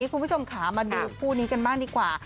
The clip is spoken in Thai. คุณผู้ชมขามาดูผู้นี้กันไม่ได้กว่า